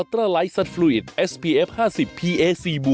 เพราะว่า